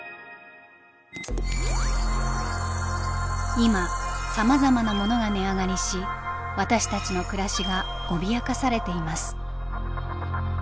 今さまざまなものが値上がりし私たちの暮らしが脅かされています。